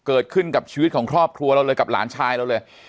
เกิดขึ้นกับชีวิตของครอบครัวเราเลยกับหลานชายเราเลย